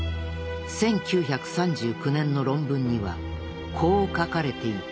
１９３９年の論文にはこう書かれていた。